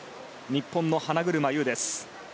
日本の花車優です。